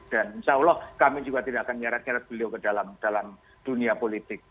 dan insya allah kami juga tidak akan nyaret nyaret beliau ke dalam dunia politik